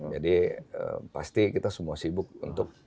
jadi pasti kita semua sibuk untuk